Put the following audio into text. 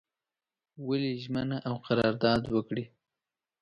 ولي ژمنه او قرارداد وکړي.